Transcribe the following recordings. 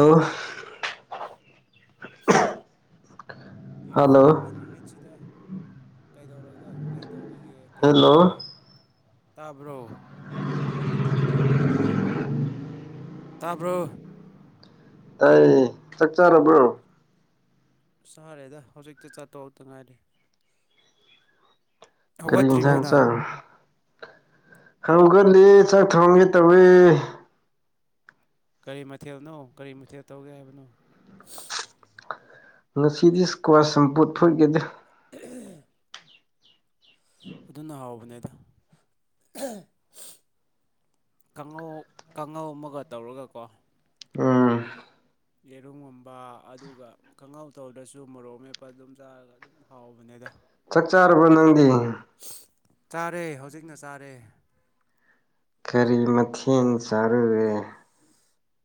ꯑꯣ ꯍꯜꯂꯣ ꯌꯥꯏꯐꯔꯕ ꯅꯨꯃꯤꯠꯁꯤꯗ ꯀꯩꯗꯧꯔꯤꯒ ꯀꯩꯗꯧꯔꯤꯒꯦ ꯍꯦꯜꯂꯣ ꯀꯩꯗꯧꯔꯤꯒꯦ ꯇꯥꯕ꯭ꯔꯣ ꯇꯥꯕ꯭ꯔꯣ ꯇꯥꯏꯌꯦ ꯆꯥꯛ ꯆꯥꯔꯕ꯭ꯔꯣ ꯆꯥꯔꯦꯗ ꯍꯧꯖꯤꯛꯇ ꯆꯥꯛ ꯇꯣꯛꯇ ꯉꯥꯏꯔꯤ ꯀꯔꯤ ꯍꯧꯒꯠꯇ꯭ꯔꯤꯕꯣ ꯌꯦꯟꯁꯥꯡ ꯅꯪ ꯆꯥꯏ ꯍꯧꯒꯠꯂꯦ ꯆꯥꯛ ꯊꯣꯡꯒꯦ ꯇꯧꯋꯦ ꯀꯔꯤ ꯃꯊꯦꯜꯅꯣ ꯀꯔꯤ ꯃꯊꯦꯜ ꯇꯧꯒꯦ ꯍꯥꯏꯕꯅꯣ ꯉꯁꯤꯗꯤ ꯏꯁ꯭ꯀ꯭ꯋꯥꯁ ꯁꯝꯄꯨꯠ ꯐꯨꯠꯀꯦꯗ [unintelligible] ꯑꯗꯨꯅ ꯍꯥꯎꯕꯅꯦꯗ ꯀꯥꯡꯉꯧ ꯀꯥꯡꯉꯧ ꯑꯃꯒ ꯇꯧꯔꯒꯀꯣ [unintelligible] ꯌꯦꯔꯨꯝꯒꯨꯝꯕ ꯑꯗꯨꯒ ꯀꯥꯉꯧ ꯇꯧꯗ‍꯭ꯔꯁꯨ ꯃꯣꯔꯣꯛ ꯃꯦꯞꯄ ꯑꯗꯨꯝ ꯆꯥꯔꯒ ꯑꯗꯨꯝ ꯍꯥꯎꯕꯅꯦꯗ ꯆꯥꯛ ꯆꯥꯔꯕ ꯅꯪꯗꯤ ꯆꯥꯔꯦ ꯍꯧꯖꯤꯛꯅ ꯆꯥꯔꯦ ꯀꯔꯤ ꯃꯊꯦꯟ ꯆꯥꯔꯨꯔꯦ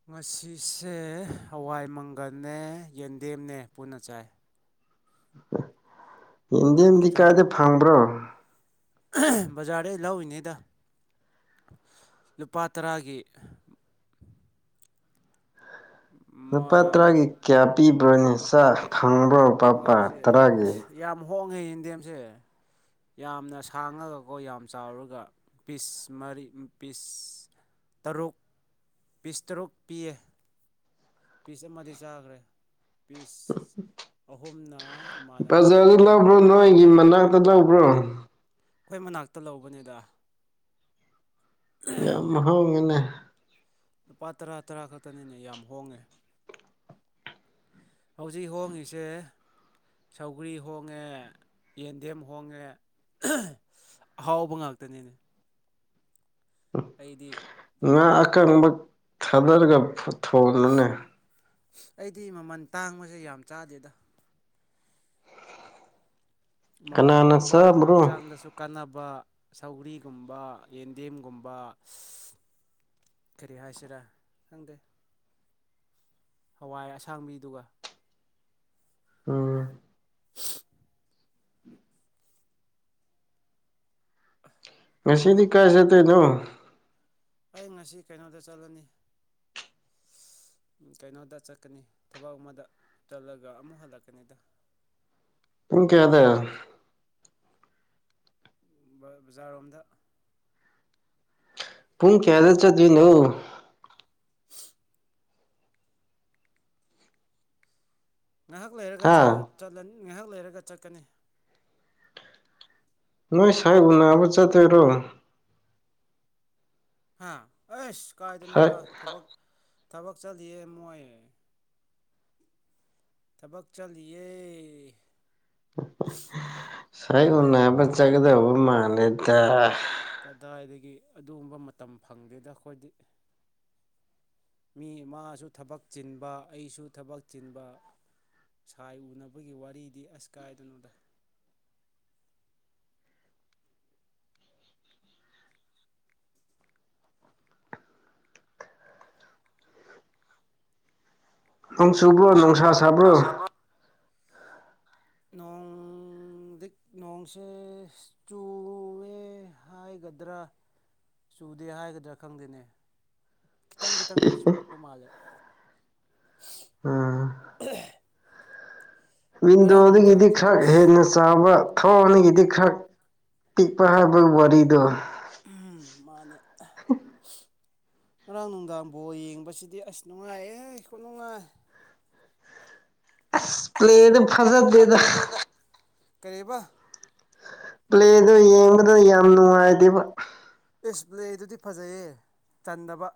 ꯉꯁꯤꯁꯦ ꯍꯋꯥꯏ ꯃꯪꯒꯟꯅꯦ ꯌꯦꯟꯗꯦꯝꯅꯦ ꯄꯨꯟꯅ ꯆꯥꯏ ꯌꯦꯟꯗꯦꯝꯗꯤ ꯍꯛꯆꯥꯡ ꯀꯔꯥꯏꯗ ꯐꯪꯕ꯭ꯔꯣ ꯕꯖꯥꯔꯗꯩ ꯂꯧꯔꯤꯅꯤꯗ ꯂꯨꯄꯥ ꯇꯔꯥꯒꯤ ꯂꯨꯄꯥ ꯇꯔꯥꯒꯤ ꯀꯌꯥ ꯄꯤꯕ꯭ꯔꯣ ꯌꯦꯟꯆꯥꯛ ꯐꯪꯕ꯭ꯔꯣ ꯄꯥꯛ ꯄꯥꯛ ꯃꯣꯏꯁꯦ ꯇꯔꯥꯒꯤ ꯑꯁ ꯌꯥꯝ ꯍꯣꯡꯉꯦ ꯌꯦꯟꯗꯦꯝꯁꯦ ꯌꯥꯝꯅ ꯁꯥꯡꯉꯒꯀꯣ ꯌꯥꯝ ꯆꯥꯎꯔꯒ ꯄꯤꯁ ꯃꯔꯤ ꯄꯤꯁ ꯇꯔꯨꯛ ꯄꯤꯁ ꯇꯔꯨꯛ ꯄꯤꯌꯦ ꯄꯤꯁ ꯑꯃꯗꯤ ꯆꯥꯒ꯭ꯔꯦ ꯄꯤꯁ ꯑꯍꯨꯝꯅ ꯏꯃꯥꯟꯅꯕ ꯈꯣꯏꯒꯤ ꯒꯤ ꯃꯅꯥꯛ ꯅꯛꯅꯕ꯭ꯔꯣ ꯑꯩꯈꯣꯏ ꯃꯅꯥꯛꯇ ꯂꯧꯕꯅꯦꯗ ꯌꯥꯝ ꯍꯣꯡꯉꯤꯅꯦ ꯂꯨꯄꯥ ꯇꯔꯥ ꯇꯔꯥ ꯈꯛꯇꯅꯤꯅꯦ ꯌꯥꯝ ꯍꯣꯡꯉꯦ ꯍꯧꯖꯤꯛ ꯍꯣꯡꯉꯤꯁꯦ ꯁꯧꯒ꯭ꯔꯤ ꯍꯣꯡꯉꯦ ꯌꯦꯟꯗꯦꯝ ꯍꯣꯡꯉꯦ ꯑꯍꯥꯎꯕ ꯉꯥꯛꯇꯅꯤꯅꯦ ꯑꯩꯗꯤ ꯉꯥ ꯑꯀꯪꯕ ꯊꯥꯗꯔꯒ ꯊꯣꯡꯉꯨꯅꯦ ꯑꯩꯗꯤ ꯃꯃꯜ ꯇꯥꯡꯕꯁꯦ ꯌꯥꯝ ꯆꯥꯗꯦꯗ ꯃꯃꯜ ꯀꯅꯥꯅ ꯍꯣꯡꯕ ꯆꯥꯕ꯭ꯔꯣ ꯍꯛꯆꯥꯡꯗꯁꯨ ꯀꯥꯟꯅꯕ ꯁꯧꯒ꯭ꯔꯤꯒꯨꯝꯕ ꯌꯦꯟꯗꯦꯝꯒꯨꯝꯕ ꯀꯔꯤ ꯍꯥꯏꯁꯤꯔꯥ ꯈꯪꯗꯦ ꯍꯋꯥꯏ ꯑꯁꯥꯡꯕꯤꯗꯨꯒ ꯎꯝ ꯉꯁꯤꯗꯤ ꯀꯥꯏ ꯆꯠꯇꯣꯏꯅꯣ ꯑꯩ ꯉꯁꯤ ꯀꯩꯅꯣꯗ ꯆꯠꯂꯅꯤ ꯀꯩꯅꯣꯗ ꯆꯠꯀꯅꯤ ꯊꯕꯛ ꯑꯃꯗ ꯆꯠꯂꯒ ꯑꯃꯨꯛ ꯍꯜꯂꯛꯀꯅꯤꯗ ꯄꯨꯡ ꯊꯕꯛ ꯀꯌꯥꯗ ꯕꯖꯥꯔ ꯔꯣꯝꯗ ꯄꯨꯨꯡ ꯀꯌꯥꯗ ꯆꯠꯇꯣꯏꯅꯣ ꯉꯥꯏꯍꯥꯛ ꯂꯩꯔꯒ ꯍꯥ ꯉꯥꯏꯍꯥꯛ ꯂꯩꯔꯒ ꯆꯠꯀꯅꯤ ꯅꯣꯏ ꯁꯥꯥꯏꯕꯨ ꯎꯅꯕ ꯆꯠꯇꯣꯏꯔꯣ ꯍꯥ ꯑꯩꯁ ꯀꯥꯏꯗꯅꯣꯗ ꯁꯥꯏ ꯊꯕꯛ ꯊꯕꯛ ꯆꯠꯂꯤꯌꯦ ꯃꯣꯏ ꯊꯕꯛ ꯆꯠꯂꯤꯌꯦ ꯁꯥꯏ ꯎꯟꯅꯕ ꯆꯠꯒꯗꯧꯕ ꯃꯥꯜꯂꯦꯗ ꯀꯗꯥꯏꯗꯒꯤ ꯑꯗꯨꯒꯨꯝꯕ ꯃꯇꯝ ꯐꯪꯗꯦꯗ ꯑꯩꯈꯣꯏꯗꯤ ꯃꯤ ꯃꯥꯁꯨ ꯊꯕꯛ ꯆꯤꯟꯕ ꯑꯩꯁꯨ ꯊꯕꯛ ꯆꯤꯟꯕ ꯁꯥꯏ ꯎꯟꯅꯕꯒꯤ ꯋꯥꯔꯤꯗꯤ ꯑꯁ ꯀꯥꯏꯗꯅꯣꯗ ꯅꯣꯡ ꯆꯨꯕ꯭ꯔꯣ ꯅꯨꯡꯁꯥ ꯁꯥꯕ꯭ꯔꯣ ꯅꯣꯡꯗꯤ ꯅꯣꯡ ꯁꯦ ꯆꯨꯋꯦ ꯍꯥꯏꯒꯗ꯭ꯔꯥ ꯆꯨꯗꯦ ꯍꯥꯏꯒꯗ꯭ꯔꯥ ꯈꯪꯗꯦꯅꯦ ꯈꯤꯇꯪ ꯈꯤꯇꯪꯗꯤ ꯆꯨꯔꯛꯄ ꯃꯥꯜꯂꯦ ꯎꯝ ꯉꯔꯥꯡ ꯋꯤꯟꯗꯣꯗꯒꯤꯗꯤ ꯅꯨꯡꯗꯥꯡꯁꯦ ꯈꯔ ꯑꯁ ꯍꯦꯟꯅ ꯆꯥꯕ ꯊꯣꯛꯣꯡꯑꯅꯤꯒꯤꯗꯤ ꯈꯔ ꯄꯤꯛꯄ ꯍꯥꯏꯕ ꯋꯥꯔꯤꯗꯣ ꯑꯝ ꯃꯥꯅꯦ [inaudible] ꯉꯔꯥꯡ ꯅꯨꯡꯗꯥꯡ ꯕꯣꯜꯌꯦꯡꯕꯁꯤꯗꯤ ꯑꯁ ꯅꯨꯉꯥꯏꯍꯦ ꯑꯁ ꯅꯨꯡꯉꯥꯏ ꯑꯁ ꯄ꯭ꯂꯦꯗꯨ ꯁꯤꯗ ꯐꯖꯗꯦꯗ ꯐꯝꯗꯦꯗ ꯀꯩꯕꯥ ꯄ꯭ꯂꯦꯗꯣ ꯌꯦꯡꯕꯗ ꯌꯥꯝ ꯅꯨꯡꯉꯥꯏꯗꯦꯕ ꯏꯁ ꯄ꯭ꯂꯦꯗꯨꯗꯤ ꯐꯖꯩꯌꯦ ꯆꯟꯗꯕ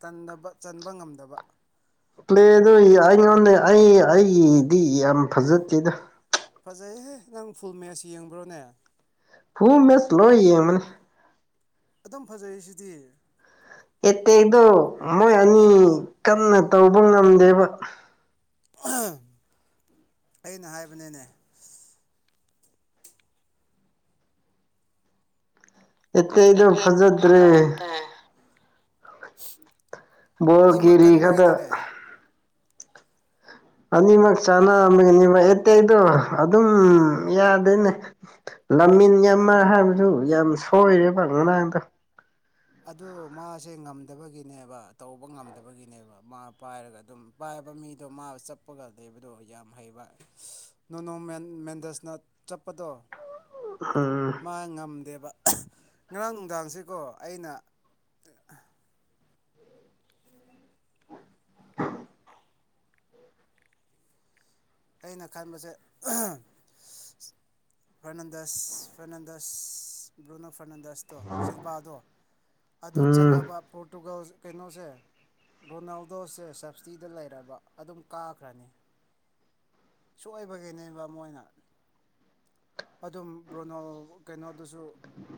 ꯆꯟꯗꯕ ꯆꯟꯕ ꯉꯝꯗꯕ ꯄ꯭ꯂꯦꯗꯣ ꯑꯩꯉꯣꯟꯗ ꯑꯩ ꯑꯩꯒꯤꯗꯤ ꯌꯥꯝ ꯐꯖꯗꯦꯗ ꯐꯖꯩꯍꯦ ꯅꯪ ꯐꯨꯜ ꯃꯦꯁ ꯌꯦꯡꯕ꯭ꯔꯣꯅꯦ ꯐꯨꯜ ꯃꯦꯁ ꯂꯣꯏ ꯌꯦꯡꯕꯅꯤ ꯑꯗꯨꯝ ꯐꯖꯩꯁꯤꯗꯤ ꯑꯦꯇꯦꯛꯇꯣ ꯃꯣꯏ ꯑꯅꯤ ꯀꯟꯅ ꯇꯧꯕ ꯉꯝꯗꯦꯕ ꯑꯩꯅ ꯍꯥꯏꯕꯅꯤꯅꯦ ꯑꯇꯩ ꯑꯗꯨꯝ ꯐꯖꯗ꯭ꯔꯦ ꯑꯅꯤꯃꯛ ꯕꯣꯔꯒꯤꯔꯤ ꯈꯛꯇ ꯀꯟꯕꯒꯤꯅꯤꯅꯦ ꯑꯅꯤꯃꯛ ꯆꯥꯅ ꯑꯅꯤꯃꯛ ꯑꯇꯩꯗꯣ ꯑꯗꯨꯝ ꯑꯥ ꯌꯥꯗꯦꯅꯦ ꯂꯝꯃꯤꯟ ꯌꯃꯜ ꯍꯥꯏꯕꯗꯨ ꯌꯥꯝ ꯁꯣꯏꯔꯦꯕ ꯉꯔꯥꯡꯗꯣ ꯑꯗꯨ ꯃꯥꯁꯦ ꯉꯝꯗꯕꯒꯤꯅꯦꯕ ꯇꯧꯕ ꯉꯝꯗꯕꯒꯤꯅꯦꯕ ꯃꯥ ꯄꯥꯏꯔꯒ ꯑꯗꯨꯝ ꯄꯥꯏꯕ ꯃꯤꯗꯣ ꯃꯥ ꯆꯠꯄꯒ ꯂꯩꯕꯗꯣ ꯌꯥꯝ ꯍꯩꯕ ꯅꯣꯅꯣ ꯃꯦꯟ ꯃꯦꯟꯗꯁꯅ ꯆꯞꯄꯗꯣ ꯍꯝ ꯃꯥ ꯉꯝꯗꯦꯕ ꯉꯔꯥꯡ ꯅꯨꯡꯗꯥꯡꯁꯤꯀꯣ ꯑꯩꯅ ꯑ ꯑꯩꯅ ꯈꯟꯕꯁꯦ ꯑꯍꯝ ꯐꯔꯅꯟꯗꯁ ꯐꯔꯅꯟꯗꯁ ꯕ꯭ꯂꯣꯅꯣ ꯐꯔꯅꯟꯗꯁꯇꯣ ꯁꯤꯜꯕꯥꯗꯣ ꯑꯗꯨ ꯎꯝ ꯆꯪꯉꯕ ꯄꯣꯔꯇꯨꯒꯜ ꯀꯩꯅꯣꯁꯦ ꯔꯣꯅꯥꯜꯗꯣꯁꯦ ꯁꯞꯁꯇꯤꯗ ꯂꯩꯔꯕ ꯑꯗꯨꯝ ꯀꯥꯈ꯭ꯔꯅꯤ ꯁꯣꯏꯕꯒꯤꯅꯦꯕ ꯃꯣꯏꯅ ꯑꯗꯨꯝ ꯔꯣꯅꯥꯜ ꯀꯩꯅꯣꯗꯨꯁꯨ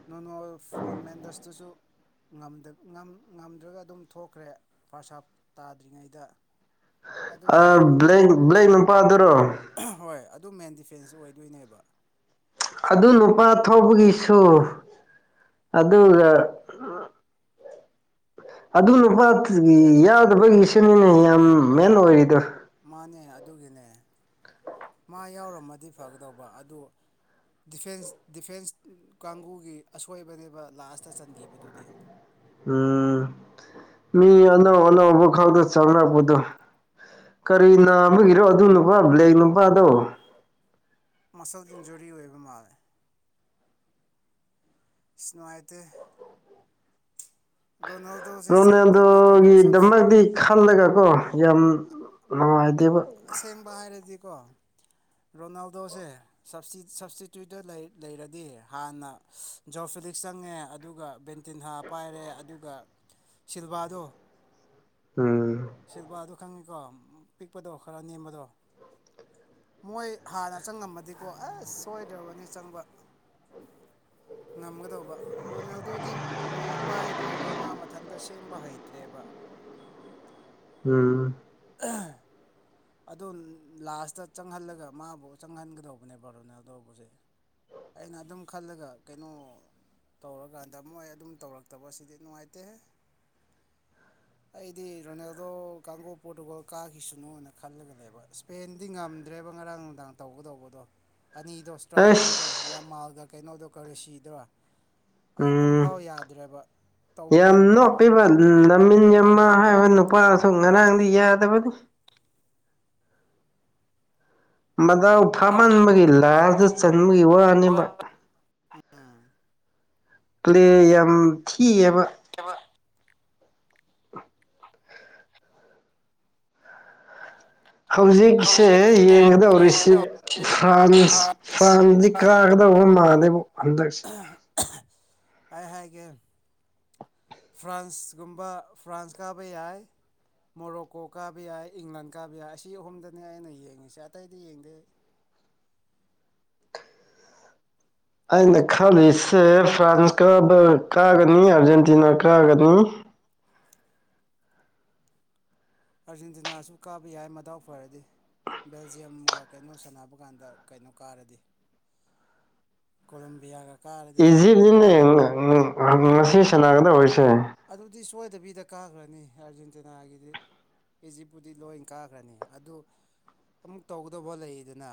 ꯅꯣꯡꯅ ꯃꯦꯟꯗꯁꯇꯁꯨ ꯉꯝꯗ꯭ꯔꯒ ꯑꯗꯨꯝ ꯊꯣꯛꯈ꯭ꯔꯦ ꯐꯔꯁꯥꯞ ꯇꯥꯗ꯭ꯔꯤꯉꯩꯗ ꯑ ꯑꯗꯨꯒꯤꯅꯦꯕ ꯕ꯭ꯂꯦꯛ ꯕ꯭ꯂꯦꯛ ꯅꯨꯄꯥꯗꯨꯔꯣ ꯍꯣꯏ ꯑꯗꯨ ꯃꯦꯟ ꯗꯤꯐꯦꯟꯁꯇ ꯑꯣꯏꯗꯣꯏꯅꯦꯕ ꯑꯗꯨ ꯅꯨꯄꯥ ꯊꯧꯕꯒꯤꯁꯨ ꯑꯗꯨꯒ ꯑꯗꯨ ꯅꯨꯄꯥ ꯀꯔꯤ ꯌꯥꯗꯕꯒꯤ ꯁꯦꯝ ꯍꯥꯟꯂꯨꯔꯕꯅꯦ ꯌꯥꯝ ꯃꯦꯟ ꯑꯣꯏꯔꯤꯗꯣ ꯃꯥꯅꯦ ꯑꯗꯨꯒꯤꯅꯦ ꯃꯥ ꯌꯥꯎꯔꯝꯃꯗꯤ ꯐꯒꯗꯧꯕ ꯑꯗꯨ ꯗꯤꯐꯦꯟꯁ ꯗꯤꯐꯦꯟꯁ ꯀꯥꯡꯕꯨꯒꯤ ꯑꯁꯣꯏꯕꯅꯦꯕ ꯂꯥꯁꯇ ꯆꯟꯈꯤꯕꯗꯨꯗꯤ ꯎꯝ ꯃꯤ ꯑꯅꯧ ꯑꯅꯧꯕ ꯈꯥꯛꯗ ꯆꯪꯅꯔꯛꯄꯗꯣ ꯀꯔꯤ ꯅꯥꯕꯒꯤꯔꯣ ꯑꯗꯨ ꯅꯨꯄꯥꯗꯨ ꯕ꯭ꯂꯦꯛ ꯅꯨꯄꯥꯗꯣ ꯃꯁꯜ ꯏꯟ ꯖꯨꯔꯤ ꯑꯣꯏꯕ ꯃꯥꯜꯂꯦ ꯑꯁ ꯅꯨꯡꯉꯥꯏꯇꯦ ꯔꯣꯅꯥꯜꯗꯣꯁꯦ ꯆꯪꯗꯕꯤꯗꯀꯣ ꯔꯣꯅꯦꯜꯗꯣꯒꯤꯗꯃꯛꯇꯤ ꯈꯜꯂꯒ ꯀꯣ ꯌꯥꯝ ꯅꯨꯡꯉꯥꯏꯇꯦꯕ ꯑꯁꯦꯡꯕ ꯍꯥꯏꯔꯗꯤꯀꯣ ꯔꯣꯅꯥꯜꯗꯣꯁꯦ ꯁꯞꯁꯤ ꯁꯞꯁꯇꯤꯇ꯭ꯌꯨꯠꯇ ꯂꯩꯔꯗꯤ ꯍꯥꯟꯅ ꯖꯣ ꯐꯤꯂꯤꯛꯁ ꯆꯪꯉꯦ ꯑꯗꯨꯒ ꯕꯦꯟ ꯗꯤꯟꯍꯥ ꯄꯥꯏꯔꯦ ꯑꯗꯨꯒ ꯁꯤꯜꯕꯥꯗꯣ ꯎꯝ ꯁꯤꯜꯕꯥꯗꯨ ꯈꯪꯉꯤꯀꯣ ꯄꯤꯛꯄꯗꯣ ꯈꯔ ꯅꯦꯝꯕꯗꯣ ꯃꯣꯏ ꯍꯥꯟꯅ ꯆꯪꯉꯝꯃꯗꯤꯀꯣ ꯑꯁ ꯁꯣꯏꯗ꯭ꯔꯕꯅꯤ ꯆꯪꯕ ꯉꯝꯒꯗꯧꯕ ꯔꯣꯅꯥꯜꯗꯣꯗꯤ ꯕꯣꯜ ꯄꯥꯏꯗ꯭ꯔꯦꯕ ꯃꯥ ꯃꯊꯟꯇ ꯁꯦꯝꯕ ꯍꯩꯇ꯭ꯔꯦꯕ ꯎꯝ [unintelligible] ꯑꯗꯨ ꯂꯥꯁꯇ ꯆꯪꯍꯜꯂꯒ ꯃꯥꯕꯨ ꯆꯪꯍꯟꯒꯗꯧꯕꯅꯦꯕ ꯔꯣꯅꯥꯜꯗꯨꯕꯨꯁꯦ ꯑꯩꯅ ꯑꯗꯨꯝ ꯈꯜꯂꯒ ꯀꯩꯅꯣ ꯇꯧꯔꯒꯥꯗ ꯃꯣꯏ ꯑꯗꯨꯝ ꯇꯧꯔꯛꯇꯕꯁꯤꯗꯤ ꯅꯨꯡꯉꯥꯏꯇꯦꯍꯦ ꯑꯩꯗꯤ ꯔꯣꯅꯦꯜꯗꯣ ꯀꯥꯡꯒꯨ ꯄꯣꯔꯇꯨꯒꯜ ꯀꯥꯈꯤꯁꯅꯣꯅ ꯈꯜꯂꯒꯂꯩꯕ ꯁ꯭ꯄꯦꯟꯗꯤ ꯉꯝꯗ꯭ꯔꯦꯕ ꯉꯔꯥꯡ ꯅꯨꯡꯗꯥꯡ ꯇꯧꯒꯗꯧꯕꯗꯣ ꯑꯅꯤꯗꯣ ꯇꯔꯥ ꯑꯅꯤꯗꯣ ꯑꯁ ꯌꯥꯃꯜꯒ ꯀꯩꯅꯣꯗꯣ ꯀꯔꯤ ꯁꯤꯗꯔꯥ ꯎꯝ ꯑꯝꯐꯥꯎ ꯌꯥꯗ꯭ꯔꯦꯕ ꯇꯧꯕ ꯉꯝꯗ꯭ꯔꯦꯕ ꯎꯝ ꯂꯥꯃꯤꯟ ꯌꯥꯃꯜ ꯍꯥꯏꯕ ꯅꯨꯄꯥꯗꯣ ꯉꯔꯥꯡꯗꯤ ꯌꯥꯗꯕꯅꯤ ꯃꯗꯥꯎ ꯐꯥꯝꯃꯟꯕꯒꯤ ꯂꯥꯁꯗ ꯆꯟꯕꯒꯤ ꯋꯥꯅꯦꯕ ꯎꯝ [unintelligible] ꯄ꯭ꯂꯦ ꯌꯥꯝ ꯊꯤꯑꯦꯕ [unintelligible] ꯍꯧꯖꯤꯛꯁꯦ ꯌꯦꯡꯒꯗꯧꯔꯤꯁꯤ ꯐ꯭ꯔꯥꯟꯁ ꯐ꯭ꯔꯥꯟꯁꯗꯤ ꯀꯥꯒꯗꯧꯕ ꯃꯥꯜꯂꯦꯕ ꯍꯟꯗꯛꯁꯦ ꯍꯥꯏ ꯍꯥꯏꯒꯦ ꯐ꯭ꯔꯥꯟꯁꯀꯨꯝꯕ ꯐ꯭ꯔꯥꯟꯁ ꯀꯥꯕ ꯌꯥꯏ ꯃꯣꯔꯣꯛꯀꯣ ꯀꯥꯕ ꯌꯥꯏ ꯏꯪꯂꯟ ꯀꯥꯕ ꯌꯥꯏ ꯑꯁꯤ ꯑꯍꯨꯝꯗꯅꯦ ꯑꯩꯅ ꯌꯦꯡꯉꯤꯁꯦ ꯑꯇꯩꯗꯤ ꯌꯦꯡꯗꯦ ꯑꯩꯅ ꯈꯜꯂꯤꯁꯦ ꯐ꯭ꯔꯥꯟꯁ ꯀꯥꯕ ꯀꯥꯒꯅꯤ ꯑꯥꯔꯖꯦꯟꯇꯤꯅꯥ ꯀꯥꯒꯅꯤ ꯑꯥꯔꯖꯦꯟꯇꯤꯅꯥꯁꯨ ꯀꯥꯕ ꯌꯥꯏ ꯃꯗꯥꯎ ꯐꯔꯗꯤ ꯕꯦꯜꯖꯤꯌꯝꯒ ꯀꯩꯅꯣ ꯁꯥꯟꯅꯕ ꯀꯥꯟꯗ ꯀꯩꯅꯣ ꯀꯥꯔꯗꯤ ꯀꯂꯣꯝꯕꯤꯌꯥꯒ ꯏꯖꯤꯞꯁꯤꯅꯦ ꯉ ꯉꯁꯤ ꯁꯅꯥꯒꯗꯧꯕꯁꯦ ꯑꯗꯨꯗꯤ ꯁꯣꯏꯗꯕꯤꯗ ꯀꯥꯈ꯭ꯔꯅꯤ ꯑꯥꯔꯖꯦꯟꯇꯤꯅꯥꯒꯤꯗꯤ ꯏꯖꯤꯞꯕꯨꯨꯗꯤ ꯂꯣꯏ ꯀꯥꯈ꯭ꯔꯅꯤ ꯑꯗꯨ ꯑꯃꯨꯛ ꯇꯧꯒꯗꯕ ꯂꯩꯗꯅ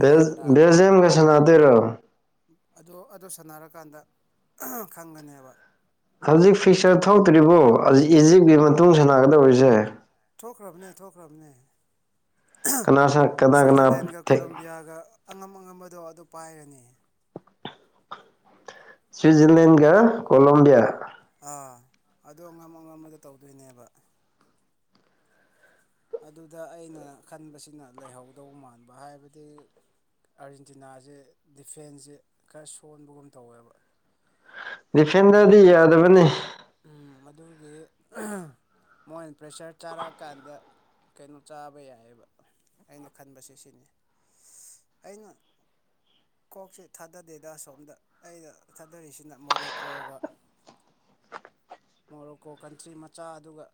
ꯕꯦꯜ ꯕꯦꯜꯖꯤꯌꯥꯝꯒ ꯁꯥꯟꯅꯗꯣꯏꯔꯣ ꯑꯣ ꯑꯗꫭ ꯁꯥꯟꯅꯔꯀꯥꯟꯗ ꯈꯪꯒꯅꯦꯕ ꯍꯧꯖꯤꯛ ꯐꯤꯛꯆꯔ ꯊꯣꯛꯇ꯭ꯔꯤꯕꯣ ꯍꯩꯖꯤꯛ ꯏꯖꯤꯞꯀꯤ ꯃꯇꯨꯡ ꯁꯅꯥꯒꯗꯧꯕꯁꯦ ꯊꯣꯛꯈ꯭ꯔꯕꯅꯦ ꯊꯣꯛꯈ꯭ꯔꯕꯅꯦ ꯀꯅꯥ ꯀꯅꯥ ꯀꯅꯥ ꯁ꯭ꯋꯤꯖꯔꯂꯦꯟꯒ ꯀꯂꯣꯝꯕꯤꯌꯥꯒ ꯑꯉꯝ ꯑꯉꯝꯕꯗꯣ ꯑꯗꯨ ꯄꯥꯏꯔꯅꯤ ꯁ꯭ꯋꯠꯖꯔꯂꯟꯒ ꯀꯂꫭꯝꯕꯤꯌꯥ ꯑꯥ ꯑꯗꯨ ꯑꯉꯝ ꯑꯉꯝꯕꯗꯣ ꯇꯧꯗꯣꯏꯅꯦꯕ ꯑꯗꯨꯗ ꯑꯩꯅ ꯈꯟꯕꯁꯤꯅ ꯂꯩꯍꯧꯗꯧ ꯃꯥꯟꯕ ꯍꯥꯏꯕꯗꯤ ꯑꯥꯔꯖꯦꯟꯇꯤꯅꯥꯁꯦ ꯗꯤꯐꯦꯟꯁꯁꯦ ꯈꯔ ꯁꯣꯟꯕꯒꯨꯝ ꯇꯧꯋꯦꯕ ꯗꯤꯐꯦꯟꯗꯔꯗꯤ ꯌꯥꯗꯕꯅꯤ ꯃꯒꯤ ꯃꯣꯏ ꯄ꯭ꯔꯦꯁꯔ ꯆꯥꯔꯛꯑꯀꯥꯟꯗ ꯀꯩꯅꯣ ꯆꯥꯕ ꯌꯥꯏꯑꯕ ꯑꯩꯅ ꯈꯟꯕꯁꯦ ꯁꯤꯅꯤ ꯑꯩꯅ ꯀꯣꯛꯁꯦ ꯊꯥꯗꯗꯦꯗ ꯁꯣꯝꯗ ꯑꯩꯅ ꯊꯥꯗꯔꯤꯁꯤꯅ ꯃꯣꯔꯣꯛ ꯀꯣꯛꯑꯒ ꯃꯣꯔꯣꯀꯣ ꯀꯟꯇ꯭ꯔꯤ ꯃꯆꯥ ꯑꯗꯨꯒ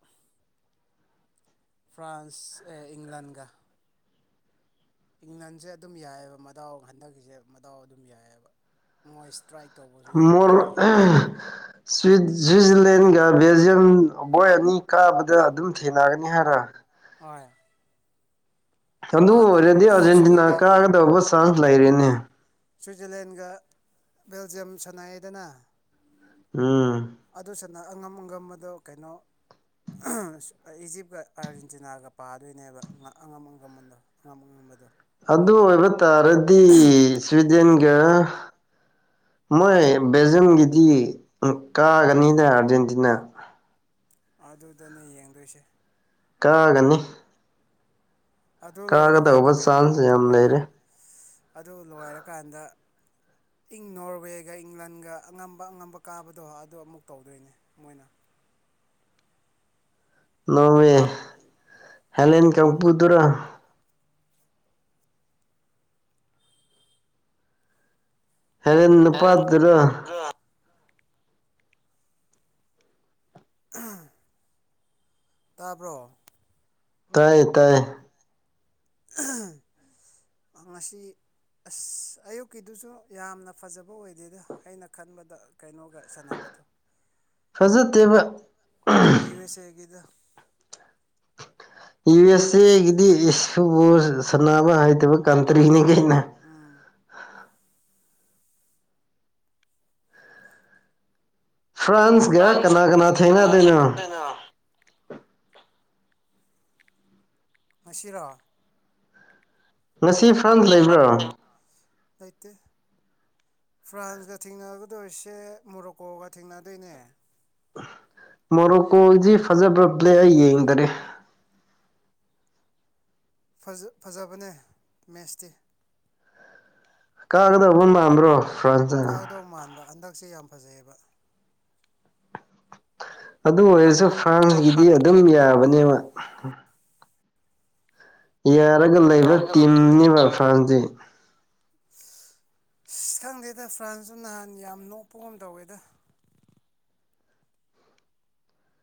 ꯐ꯭ꯔꯥꯟꯁ ꯑꯦ ꯏꯪꯂꯥꯟꯒ ꯏꯪꯂꯟꯁꯦ ꯑꯗꯨꯝ ꯌꯥꯏꯑꯕ ꯃꯗꯥꯎ ꯍꯟꯗꯛꯀꯤꯁꯦ ꯃꯗꯥꯎ ꯑꯗꯨꯝ ꯌꯥꯏꯑꯕ ꯃꯣꯏ ꯏꯁꯇ꯭ꯔꯥꯏꯛ ꯇꯧꯕꯁꯨ ꯌꯥꯝ ꯃꯣꯔ ꯐꯖꯩꯑꯕ ꯁ ꯁ꯭ꯋꯤꯖꯔꯂꯦꯟꯒ ꯕꯦꯜꯖꯤꯌꯝ ꯕꯣꯏ ꯑꯅꯤ ꯀꯥꯕꯗ ꯑꯗꯨꯝ ꯊꯦꯡꯅꯒꯅꯤ ꯍꯥꯏꯔ ꯍ ꯑꯗꯨ ꯑꯣꯏꯔꯗꯤ ꯑꯥꯔꯖꯦꯟꯇꯤꯅꯥ ꯁ꯭ꯋꯤꯖꯔꯂꯦꯟꯒ ꯀꯥꯒꯗꯕ ꯆꯥꯟꯁ ꯂꯩꯔꯦꯅꯦ ꯁ꯭ꯋꯤꯖꯔꯂꯦꯟꯒ ꯕꯦꯜꯖꯤꯌꯝ ꯁꯥꯟꯅꯗꯅ ꯎꯝ ꯑꯗꯨꯁꯤꯅ ꯑꯉꯝ ꯑꯉꯝꯕ ꯑꯗꯣ ꯀꯩꯅꯣ ꯏꯖꯤꯞꯀ ꯑꯥꯔꯖꯦꯟꯇꯤꯅꯥꯒ ꯄꯥꯗꯣꯏꯅꯦꯕ ꯑꯉꯝ ꯑꯉꯝꯕꯟꯗꯣ ꯉꯝꯕ ꯉꯝꯕꯗꯣ ꯑꯗꯨ ꯑꯣꯏꯕ ꯇꯥꯔꯗꯤ ꯁ꯭ꯋꯤꯗꯦꯟꯒ ꯃꯣꯏ ꯕꯦꯖꯝꯒꯤꯗꯤ ꯀꯥꯒꯅꯤꯗ ꯑꯥꯔꯖꯦꯟꯇꯤꯅꯥ ꯑꯗꯨꯗꯅꯦ ꯌꯦꯡꯗꯣꯏꯁꯦ ꯀꯥꯒꯅꯤ ꯑꯗꯨ ꯂꯣꯏꯔꯀꯥꯟꯗ ꯀꯥꯒꯗꯧꯕ ꯀꯩꯅꯣ ꯆꯥꯟꯁ ꯑꯃꯨꯛ ꯌꯥꯝ ꯇꯧꯒꯅꯤ ꯂꯩꯔꯦ ꯑꯗꯨ ꯂꯣꯏꯔꯀꯥꯟꯗ ꯏꯪ ꯅꯣꯔꯋꯦꯒ ꯏꯪꯂꯟꯒ ꯑꯉꯝꯕ ꯑꯉꯝꯕ ꯀꯥꯕꯗꯣ ꯑꯗꯨꯗ ꯑꯃꯨꯛ ꯇꯧꯗꯣꯏꯅꯦ ꯃꯣꯏꯅ ꯅꯃ ꯍꯂꯦꯟ ꯀꯥꯡꯄꯨꯗꯨꯔꯥ ꯍꯣꯔꯦꯟ ꯅꯨꯄꯥꯗꯨꯔ ꯑ ꯇꯥꯕ꯭ꯔꯣ ꯇꯥꯏꯌꯦ ꯇꯥꯏꯌꯦ ꯉꯁꯤ ꯑꯁ ꯑꯌꯨꯛꯀꯤꯗꯨꯁꯨ ꯌꯥꯝꯅ ꯐꯖꯕ ꯑꯣꯏꯗꯦꯗ ꯑꯩꯅ ꯈꯟꯕꯗ ꯀꯩꯅꯣꯒ ꯁꯥꯟꯅꯕꯗꯣ ꯐꯖꯗꯦꯕ ꯌꯨ ꯑꯦꯁ ꯍꯦꯒꯤꯗꫭ ꯌꯨ ꯑꯦꯁ ꯑꯦꯒꯤꯗꯤ ꯏꯁꯕꯨ ꯁꯥꯟꯅꯕ ꯍꯥꯏꯇꯕ ꯀꯟꯇ꯭ꯔꯤꯅꯤ ꯀꯩꯅ ꯎꯝ ꯐ꯭ꯔꯥꯟꯁꯒ ꯀꯅꯥ ꯀꯅꯥ ꯊꯦꯡꯅꯗꯣꯏꯅꯣ ꯉꯁꯤꯔꯣ ꯉꯁꯤ ꯐ꯭ꯔꯥꯟꯁ ꯂꯩꯕ꯭ꯔꯣ ꯂꯩꯇ‌ꯦ ꯐ꯭ꯔꯥꯟꯁꯀ ꯊꯦꯡꯅꯒꯗꯧꯔꯤꯁꯦ ꯃꯣꯔꯣꯛꯀꯣꯒ ꯊꯦꯡꯅꯗꯣꯏꯅꯦ ꯃꯣꯔꯣꯀꯣꯗꯤ ꯐꯖꯕ꯭ꯔꯕ꯭ꯂꯦ ꯑꯩ ꯌꯦꯡꯗꯔꯦ ꯐꯖꯕꯅꯦ ꯃꯦꯠꯁꯇꯤ ꯀꯥꯒꯗꯧꯕꯕꯐꯝ꯭ꯔꯣ ꯐ꯭ꯔꯥꯟꯁꯅ ꯑꯗꯣꯡ ꯃꯥꯟꯕ ꯍꯟꯗꯛꯁꯦ ꯌꯥꯝ ꯐꯖꯩꯑꯕ ꯑꯗꯨ ꯑꯣꯏꯔꯁꯨ ꯐ꯭ꯔꯥꯟꯁꯀꯤꯗꯤ ꯑꯗꯨꯝ ꯌꯥꯕꯅꯦꯕ ꯌꯥꯔꯒ ꯂꯩꯕ ꯇꯤꯝꯅꯦꯕ ꯐ꯭ꯔꯥꯟꯁꯁꯤ ꯁꯊꯪꯗꯦꯗ ꯐ꯭ꯔꯥꯟꯁꯇꯨ ꯅꯍꯥꯟ ꯌꯥꯝ ꯅꯣꯛꯄꯒꯨꯝ ꯇꯧꯋꯦꯗ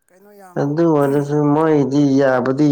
ꯀꯩꯅꯣ ꯌꯥꯝ ꯑꯗꯨ ꯑꯣꯏꯔꯁꯨ ꯃꯣꯏꯗꯤ ꯌꯥꯕꯨꯗꯤ